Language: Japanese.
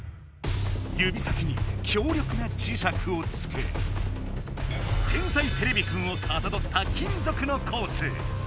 指先に強力な磁石をつけ「天才てれびくん」をかたどった金属のコース